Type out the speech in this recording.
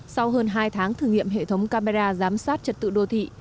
sau hơn hai tháng thử nghiệm hệ thống camera giám sát trật tự đô thị